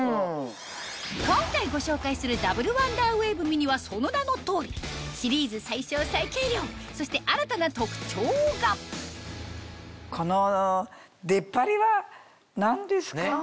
今回ご紹介するダブルワンダーウェーブミニはその名の通りそして新たな特徴がこの出っ張りは何ですか？